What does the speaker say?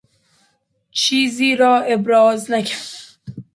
چیزی را ابراز نکردن